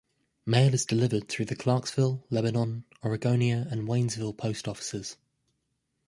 Mail is delivered through the Clarksville, Lebanon, Oregonia and Waynesville post offices.